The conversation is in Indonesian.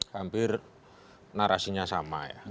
hampir narasinya sama ya